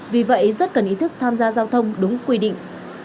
vì vậy rất cần ý thức tham gia giao thông đúng quy định